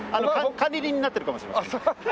管理人になってるかもしれません。